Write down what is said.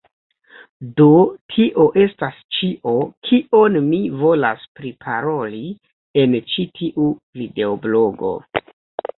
Do, tio estas ĉio, kion mi volas priparoli en ĉi tiu videoblogo.